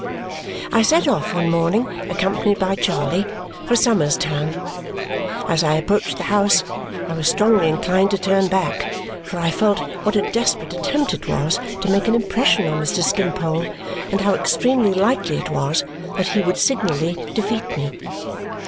I set off one morning, accompanied by Charley, for Somers Town. As I approached the house, I was strongly inclined to turn back, for I felt what a desperate attempt it was to make an impression on Mr. Skimpole and how extremely likely it was that he would signally defeat me.